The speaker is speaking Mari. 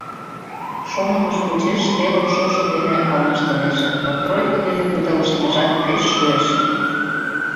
Шонымыж почеш телым шошо дене алмаштынеже, но тройко дене кудалыштмыжат пеш шуэш.